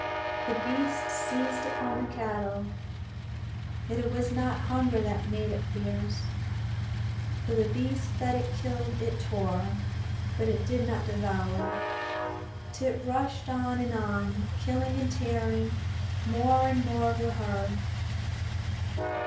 The beast seized upon the cattle. Yet it was not hunger that made it fierce, for the beasts that it killed it tore, but did not devour. Tit rushed on and on, killing and tearing more and more of the herd.